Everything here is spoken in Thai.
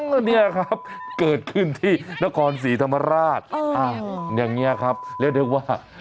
เออนี่ครับเกิดขึ้นที่นครศรีธรรมราช